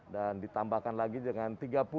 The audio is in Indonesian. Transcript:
dan ditambahkan lagi dengan tiga puluh